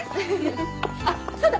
あっそうだ。